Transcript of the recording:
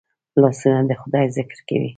لاسونه د خدای ذکر کوي